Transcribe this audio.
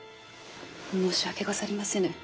申し訳ござりませぬ。